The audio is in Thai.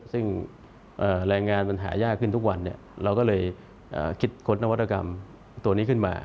ซึ่งแรงงานมันหายากขึ้นทุกวันเราก็เลยคิดค้นนวัตกรรมตัวนี้ขึ้นมา